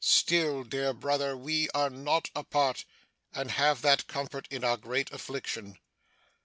still, dear brother, we are not apart, and have that comfort in our great affliction.